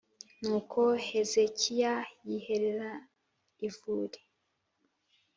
Nuko hezekiya yiherara ivure